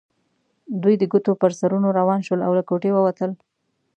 دوی د ګوتو پر سرونو روان شول او له کوټې ووتل.